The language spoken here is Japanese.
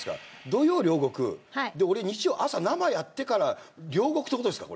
土曜両国で俺日曜朝生やってから両国って事ですか？